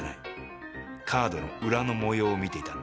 カードの裏の模様を見ていたんだ。